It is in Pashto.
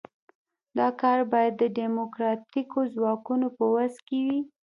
دا کار باید د ډیموکراتیکو ځواکونو په وس کې وي.